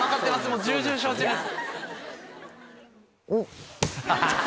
もう重々承知です。